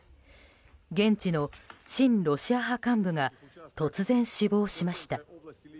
現地の親ロシア派幹部が突然、死亡しました。